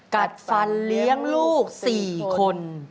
กัดฟันเลี้ยงลูก๔คน